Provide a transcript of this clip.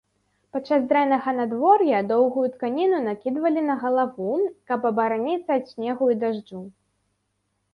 Падчас дрэннага надвор'я доўгую тканіну накідвалі на галаву, каб абараніцца ад снегу і дажджу.